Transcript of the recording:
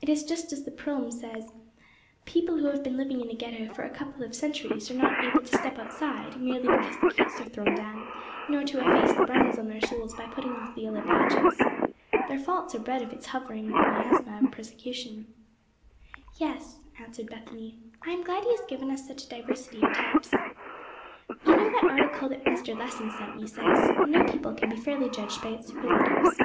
It is just as the proem says: 'People who have been living in a ghetto for a couple of centuries are not able to step outside merely because the gates are thrown down, nor to efface the brands on their souls by putting off the yellow badges. Their faults are bred of its hovering miasma of persecution.'" "Yes," answered Bethany, "I am glad he has given us such a diversity of types. You know that article that Mr. Lessing sent me says: 'No people can be fairly judged by its superlatives.